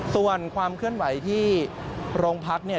ส่วนความเคลื่อนไหวที่โรงพักเนี่ย